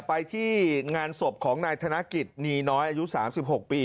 ไปที่งานศพของนายธนกิจนีน้อยอายุ๓๖ปี